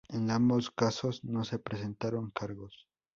En ambos casos, no se presentaron cargos.